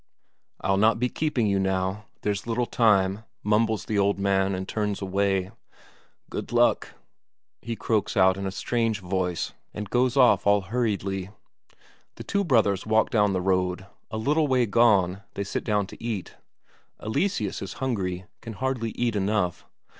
"I'll not be keeping you now there's little time," mumbles the old man, and turns away. "Good luck," he croaks out in a strange voice, and goes off all hurriedly. The two brothers walk down the road; a little way gone, they sit down to eat; Eleseus is hungry, can hardly eat enough.